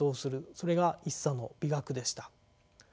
それが一茶の美学でした。